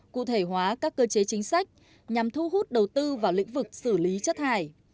cụ thể hóa các cơ chế chính sách nhằm thu hút đầu tư vào lĩnh vực xử lý chất thải